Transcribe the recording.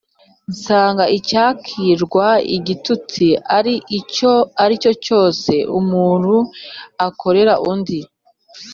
dusanga icyakwirwa igitutsi ari icyo ari cyo cyose umunru akorera undi,